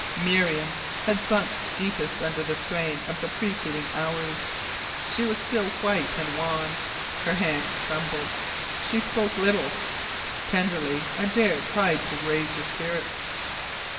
Miriam had sunk deepest under the strain of the preceding hours. She was still white and wan. Her hands trembled. She spoke little. Tenderly Adare tried to raise her spirits.